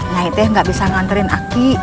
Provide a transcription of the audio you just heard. nyai teh gak bisa nganterin aki